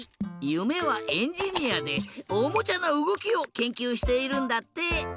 ゆめはエンジニアでおもちゃのうごきをけんきゅうしているんだって！